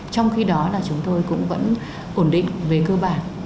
trong khi đó là chúng tôi cũng vẫn ổn định về cơ bản